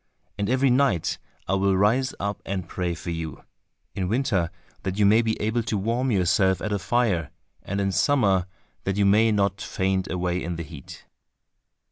And every night I will rise up and pray for you—in winter that you may be able to warm yourself at a fire, and in summer that you may not faint away in the heat."